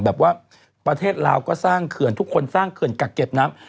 แบบว่าประเทศลาวก็สร้างเขื่อนทุกคนสร้างเขื่อนกักเก็บน้ำ